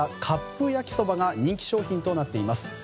カップ焼きそばが人気商品となっています。